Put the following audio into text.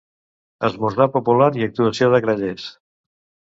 Esmorzar popular i actuació de grallers.